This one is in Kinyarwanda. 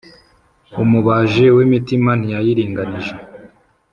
Umubaji w’imitima ntiyayiringanije